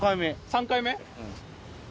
３回目？